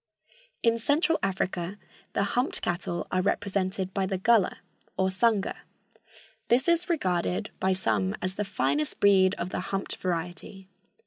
In Central Africa the humped cattle are represented by the Galla, or Sanga. This is regarded by some as the finest breed of the humped variety.